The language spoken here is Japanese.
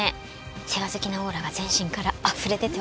世話好きなオーラが全身からあふれ出ています。